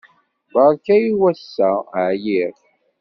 Beṛka i wass-a. ɛyiɣ.